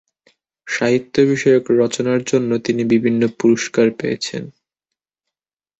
সাহিত্য বিষয়ক রচনার জন্য তিনি বিভিন্ন পুরস্কার পেয়েছেন।